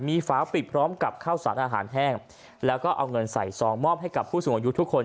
มีฝาปิดพร้อมกับข้าวสารอาหารแห้งแล้วก็เอาเงินใส่ซองมอบให้กับผู้สูงอายุทุกคน